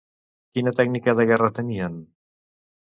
Quina tècnica de guerra tenien?